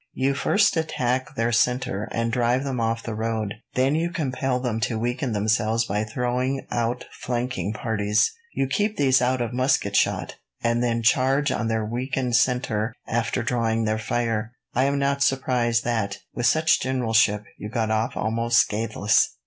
You first attack their centre and drive them off the road, then you compel them to weaken themselves by throwing out flanking parties. You keep these out of musket shot, and then charge on their weakened centre after drawing their fire. I am not surprised that, with such generalship, you got off almost scatheless.